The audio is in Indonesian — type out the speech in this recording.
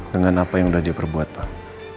dengan apa yang sudah dia perbuat pak